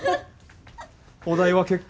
お代は結構。